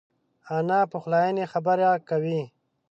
انا د پخلاینې خبره کوي